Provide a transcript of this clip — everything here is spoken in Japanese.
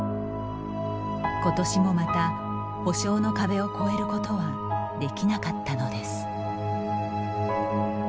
ことしもまた補償の壁を越えることはできなかったのです。